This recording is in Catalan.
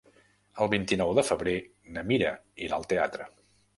El vint-i-nou de febrer na Mira irà al teatre.